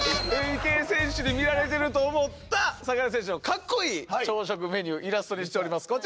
池江選手に見られてると思った嵯峨根選手のカッコいい朝食メニューイラストにしております